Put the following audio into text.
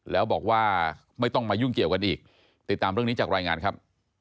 แล้วบอกว่าไม่ต้องมายุ่งเกี่ยวกันอีกติดตามเรื่องนี้จากรายงานครับ